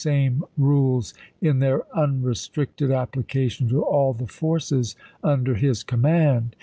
fyd2o, same rules in their unrestricted application to all p. 21. '.' the forces under his command.